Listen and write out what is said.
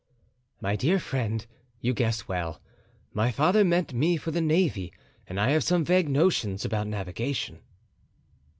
"My dear friend, you guess well. My father meant me for the navy and I have some vague notions about navigation."